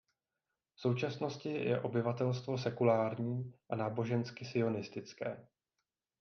V současnosti je obyvatelstvo sekulární a nábožensky sionistické.